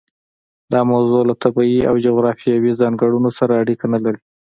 دا موضوع له طبیعي او جغرافیوي ځانګړنو سره اړیکه نه لري.